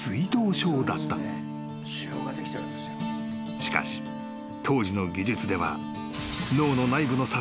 ［しかし当時の技術では］